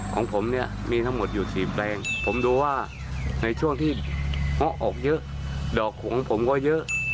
ของผมเนี่ยมีทั้งหมดอยู่๔แปลงผมดูว่าในช่วงที่เงาะออกเยอะดอกของผมก็เยอะ